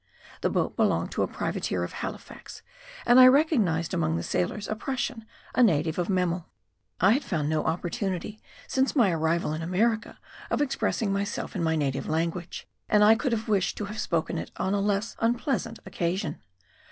The boat belonged to a privateer of Halifax; and I recognized among the sailors a Prussian, a native of Memel. I had found no opportunity, since my arrival in America, of expressing myself in my native language, and I could have wished to have spoken it on a less unpleasant occasion.